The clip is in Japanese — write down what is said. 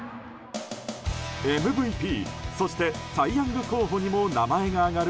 ＭＶＰ、そしてサイ・ヤング候補にも名前が挙がる